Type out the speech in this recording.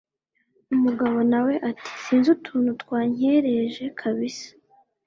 umugabo nawe ati sinzi utuntu twankereje kabisa